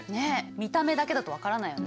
見た目だけだと分からないよね。